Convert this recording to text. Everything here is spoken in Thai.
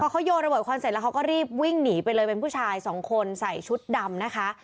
เขาโยนระเบิคอนเสร็จแล้วเขาก็รีบวิ่งหนีไปเลยเป็นผู้ชายสองคนใส่ชุดดำนะคะ